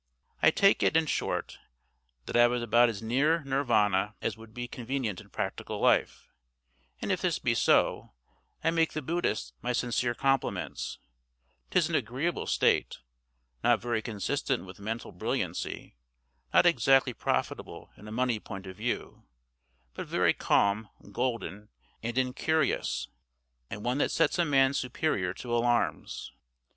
I take it, in short, that I was about as near Nirvana as would be convenient in practical life; and if this be so, I make the Buddhists my sincere compliments; 'tis an agreeable state, not very consistent with mental brilliancy, not exactly profitable in a money point of view, but very calm, golden, and incurious, and one that sets a man superior to alarms.